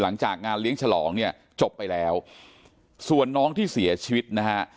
หลังจากงานเลี้ยงฉลองเนี่ยจบไปแล้วส่วนน้องที่เสียชีวิตนะฮะ